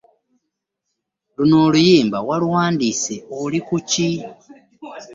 Luno oluyimba waluwandise oli kuki?